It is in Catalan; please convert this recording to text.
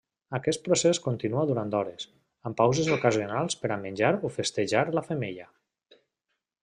Aquest procés continua durant hores, amb pauses ocasionals per a menjar o festejar la femella.